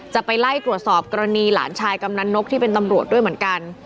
จะไปไล่ตรวจสอบกรณีหลานชายกำนันนกที่เป็นตำรวจด้วยเหมือนกัน